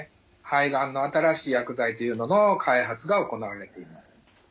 肺がんの新しい薬剤というのの開発が行われています。